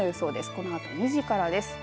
このあと２時からです。